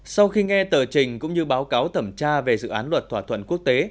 sau khi nghe tờ trình cũng như báo cáo thẩm tra về dự án luật thỏa thuận quốc tế